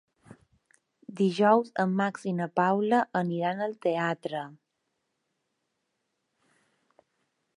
Dijous en Max i na Paula aniran al teatre.